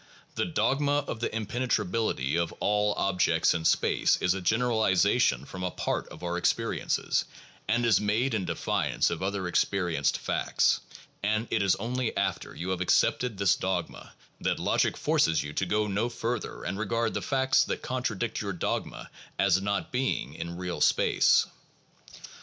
The dogma of the impenetrability of all objects in space is a generalization from a part of our experiences, and is made in defiance of other experienced facts; and it is only after you have accepted this dogma, that logic forces you to go further and regard the facts that contradict your dogma as not being in real space.